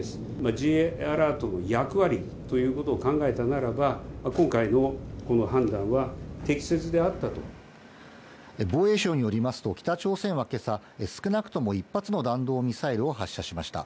Ｊアラートの役割ということを考えたならば、今回のこの判断は適防衛省によりますと、北朝鮮はけさ、少なくとも１発の弾道ミサイルを発射しました。